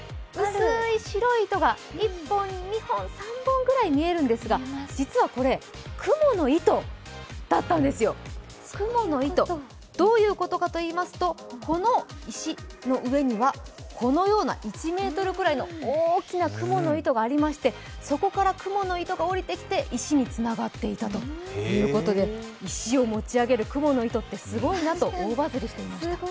薄い白い糸が１本、２本、３本ぐらい見えるんですが実はこれ、くもの糸だったんですよどういうことかといいますとこの石の上には１ｍくらいの大きなくもの糸がありまして、そこからくもの糸がおりてきて石につながっていたということで、石を持ち上げるくもの糸ってすごいなと大バズりしていました。